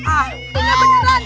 ah hantunya beneran